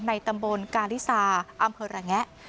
ในตำบลกาลิซาอำเภอระแงะ